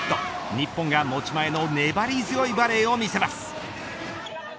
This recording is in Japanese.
日本が持ち前の粘り強いバレーを見せます。